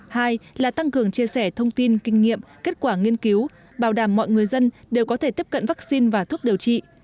hai là tăng cường chia sẻ thông tin kinh nghiệm kết quả nghiên cứu bảo đảm mọi người dân đều có thể tiếp cận vaccine và thuốc điều trị